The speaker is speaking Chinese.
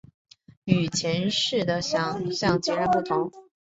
与事前的想像截然不同